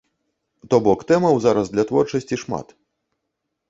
То бок тэмаў зараз для творчасці шмат.